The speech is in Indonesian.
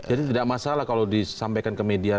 jadi tidak masalah kalau disampaikan ke media